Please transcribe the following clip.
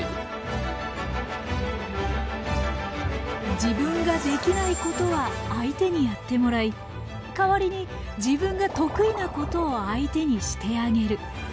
自分ができないことは相手にやってもらい代わりに自分が得意なことを相手にしてあげる。